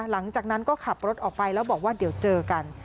หลังจากนั้นก็ขับรถออกไปแล้วบอกว่าเดี๋ยวเจอกัน